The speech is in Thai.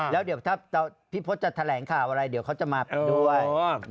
แล้วเดี๋ยวถ้าพี่พศจะแถลงข่าวอะไรเดี๋ยวเขาจะมาด้วย